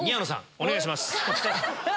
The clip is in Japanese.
お願いします。